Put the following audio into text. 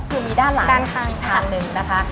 คือมีด้านหลังอีกทางหนึ่งนะคะ